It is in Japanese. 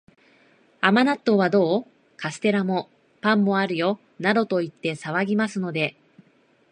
甘納豆はどう？カステラも、パンもあるよ、などと言って騒ぎますので、